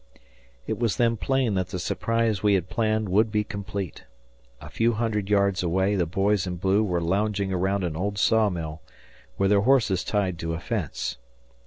It was then plain that the surprise we had planned would be complete. A few hundred yards away the boys in blue were lounging around an old sawmill, with their horses tied to a fence.